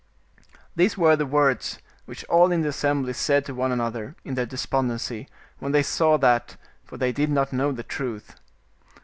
These were the words which all in the assembly said to one another in their despondency, when they saw that, for they did not know the truth.